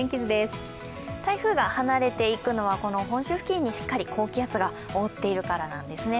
台風が離れていくのは本州付近にしっかり高気圧が覆っているからなんですね。